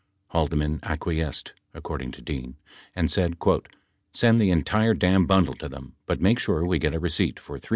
Haldman acquiesced, according to Dean, and said "send the entire damn bundle to them but make sure we get a receipt for $350,000."